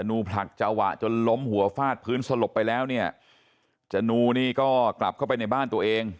ูผลักจังหวะจนล้มหัวฟาดพื้นสลบไปแล้วเนี่ยจนูนี่ก็กลับเข้าไปในบ้านตัวเอง